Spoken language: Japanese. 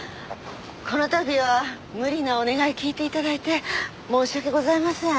この度は無理なお願い聞いて頂いて申し訳ございません。